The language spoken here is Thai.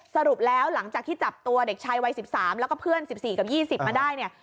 สรุปแล้วหลังจากที่จับตัวเด็กชายวัย๑๓แล้วก็เพื่อน๑๔กับ๒๐มาได้เนี่ย